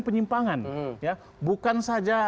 penyimpangan bukan saja